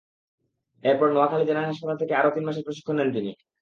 এরপর নোয়াখালী জেনারেল হাসপাতাল থেকে আরও তিন মাসের প্রশিক্ষণ নেন তিনি।